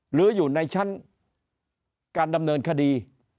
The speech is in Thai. หรืออยู่ในชั้นการดำเนินคดี